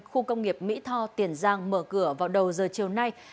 khu công nghiệp mỹ tho tiền giang mở cửa vào đầu giờ chiều nay